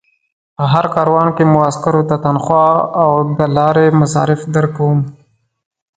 په هر کاروان کې مو عسکرو ته تنخوا او د لارې مصارف درکوم.